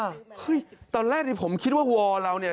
เฮ้ยตอนแรกนี่ผมคิดว่าวอลเราเนี่ย